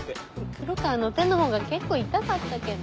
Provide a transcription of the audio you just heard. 黒川の手のほうが結構痛かったけど。